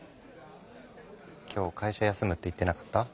今日会社休むって言ってなかった？